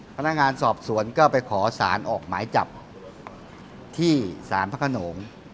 พนักงานสอบสวนก็ไปขอสารออกหมายจับที่ศาลพระขนง